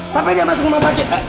sampai dia masuk rumah sakit